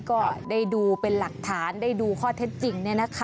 ก็ได้ดูเป็นหลักฐานได้ดูข้อเท็จจริง